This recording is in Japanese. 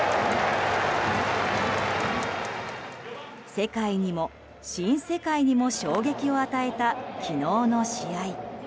世界にも新世界にも衝撃を与えた昨日の試合。